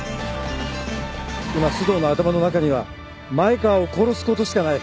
今須藤の頭の中には前川を殺すことしかない。